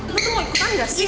lo tuh mau ikutan gak sih